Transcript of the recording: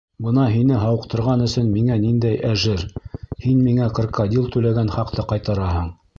— Бына һине һауыҡтырған өсөн миңә ниндәй әжер! һин миңә крокодил түләгән хаҡты ҡайтараһың.